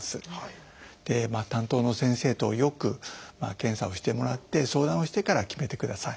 担当の先生とよく検査をしてもらって相談をしてから決めてください。